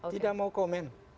tidak mau komen